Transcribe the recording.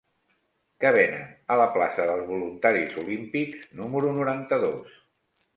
Què venen a la plaça dels Voluntaris Olímpics número noranta-dos?